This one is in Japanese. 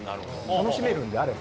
楽しめるんであれば。